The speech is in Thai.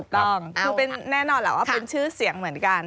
ถูกแน่นอนแหละว่าเป็นชื่อเสียงเหมือนกัน